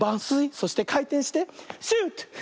そしてかいてんしてシュート！